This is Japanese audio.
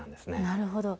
なるほど。